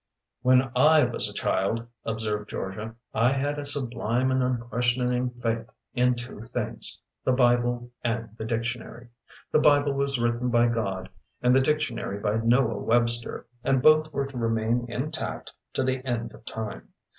"When I was a child," observed Georgia, "I had a sublime and unquestioning faith in two things, the Bible and the dictionary. The Bible was written by God and the dictionary by Noah Webster, and both were to remain intact to the end of time.